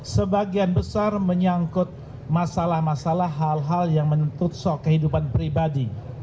sebagian besar menyangkut masalah masalah hal hal yang menuntut kehidupan pribadi